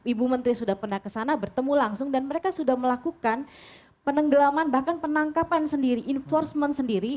ibu menteri sudah pernah kesana bertemu langsung dan mereka sudah melakukan penenggelaman bahkan penangkapan sendiri enforcement sendiri